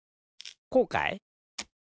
こうかい？